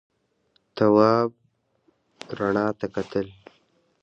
تواب رڼا ته کتل.